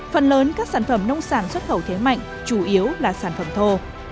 phần lớn các sản phẩm nông sản xuất khẩu thế mạnh chủ yếu là sản phẩm thô